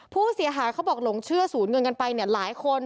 ผู้เสียหายเขาบอกหลงเชื่อสูญเงินกันไปหลายคน